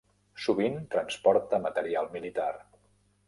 Sovint transporta material militar.